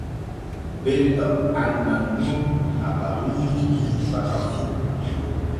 Belɗo anŋan nun habaruuji subaka fu.